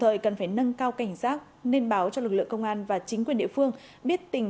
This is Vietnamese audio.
thời cần phải nâng cao cảnh giác nên báo cho lực lượng công an và chính quyền địa phương biết tình